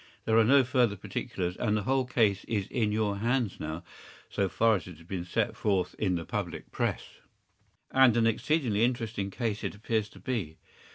There are no further particulars, and the whole case is in your hands now—so far as it has been set forth in the public press.” “And an exceedingly interesting case it appears to be.